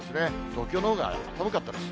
東京のほうが寒かったです。